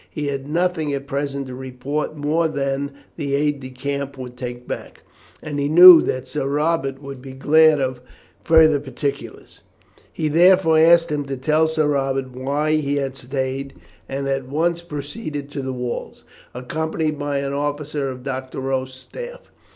He had nothing at present to report more than the aide de camp would take back, and he knew that Sir Robert would be glad of further particulars. He therefore asked him to tell Sir Robert why he had stayed, and at once proceeded to the walls, accompanied by an officer of Doctorow's staff.